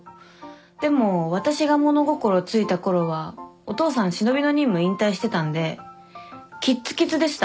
でも私が物心ついたころはお父さん忍びの任務引退してたんできっつきつでした。